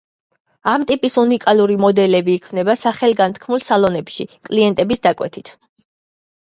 ამ ტიპის უნიკალური მოდელები იქმნება სახელგანთქმულ სალონებში კლიენტების დაკვეთით.